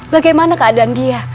bagaimana keadaan dia